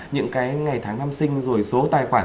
những cái ngày tháng năm sinh rồi số tài khoản